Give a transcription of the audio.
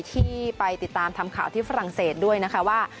ที่ไปติดตามทำข่าวที่ฝรั่งเศสด้วยนะคะว่า